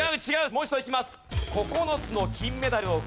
もう一度いきます。